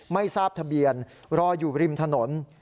ไม่ทราบทะเบียนรออยู่ริมถนน